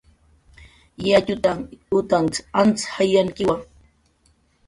"Yatxutanh utanht"" antz jayankiwa"